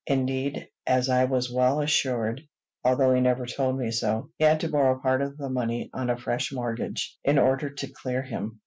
Indeed, as I was well assured, although he never told me so, he had to borrow part of the money on a fresh mortgage in order to clear him.